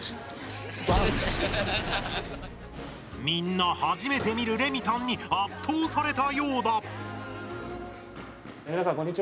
みんな初めて見るレミたんに圧倒されたようだ。